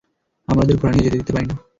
আমরা ওদের ঘোড়া নিয়ে যেতে দিতে পারি না!